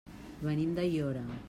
Venim d'Aiora.